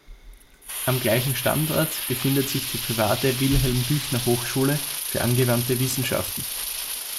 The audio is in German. Am gleichen Standort befindet sich die private Wilhelm-Büchner-Hochschule für angewandte Wissenschaften.